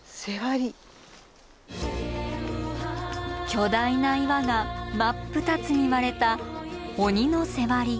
巨大な岩が真っ二つに割れた鬼の背割り。